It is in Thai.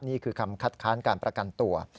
นี่คือคำคัดค้านการประกันตัว